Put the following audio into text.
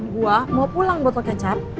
gua mau pulang buat lo kecap